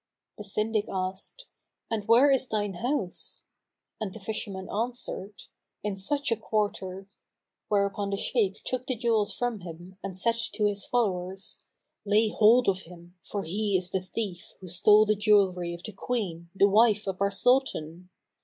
The Syndic asked, "And where is thine house?" and the fisherman answered, "In such a quarter"; whereupon the Shaykh took the jewels from him and said to his followers, "Lay hold of him, for he is the thief who stole the jewellery of the Queen, the wife of our Sultan."